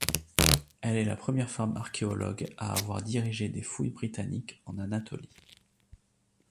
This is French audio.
Elle est la première femme archéologue à avoir dirigé des fouilles britanniques en Anatolie.